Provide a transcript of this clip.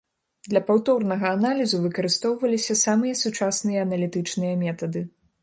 Для паўторнага аналізу выкарыстоўваліся самыя сучасныя аналітычныя метады.